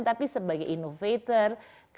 tapi sebagai inovator